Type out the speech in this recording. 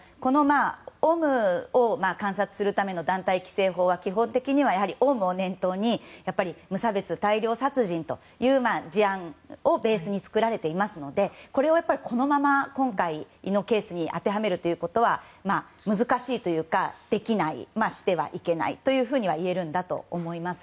オウムを観察するための団体規制法は基本的にはオウムを念頭に無差別大量殺人という事案をベースに作られていますのでこれをこのまま今回のケースに当てはめることは難しいというか、できないしてはいけないというふうにはいえるんだと思います。